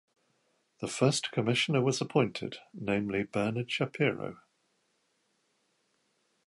The first Commissioner was appointed, namely Bernard Shapiro.